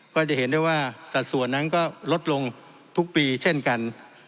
ก็จะเห็นได้ว่าสัดส่วนนั้นก็ลดลงทุกปีเช่นกัน